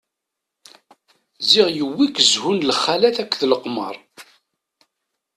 Ziɣ yewwi-k zhu n lxalat akked leqmeṛ.